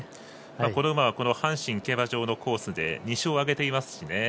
この馬は阪神競馬場のコースで２勝を挙げていますしね。